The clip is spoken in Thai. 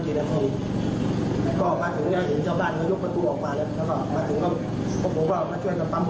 เพราะว่าเห็นเขาว่าชาวบ้านว่าประมาณนั้นนะครับ